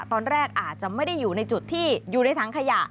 ตอนแรกอาจจะไม่ได้อยู่ในจุดที่อยู่ในถังขยะ